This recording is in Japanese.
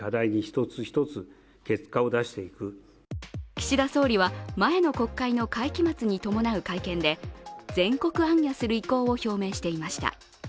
岸田総理は前の国会の会期末に伴う会見で全国行脚する意向を表明していました。